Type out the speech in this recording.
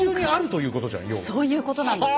そういうことなんです。